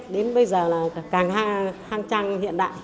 đến bây giờ là càng hang trang hiện đại